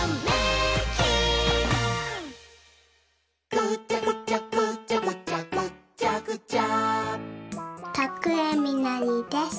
「ぐちゃぐちゃぐちゃぐちゃぐっちゃぐちゃ」徳江みのりです。